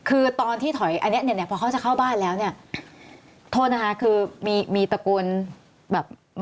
คือตอนที่ถอยอันนี้เนี่ยพอเขาจะเข้าบ้านแล้วเนี่ยโทษนะคะคือมีตระกูลแบบ